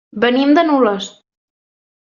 Venim de Nules.